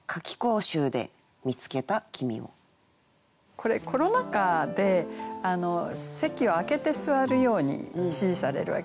これコロナ禍で席を空けて座るように指示されるわけですね。